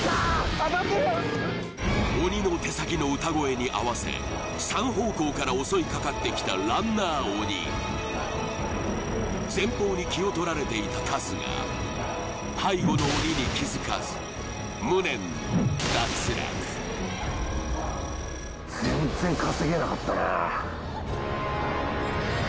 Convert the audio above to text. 当たってるよ鬼の手先の歌声に合わせ３方向から襲いかかってきたランナー鬼前方に気を取られていた春日背後の鬼に気づかず無念の脱落全然稼げなかったな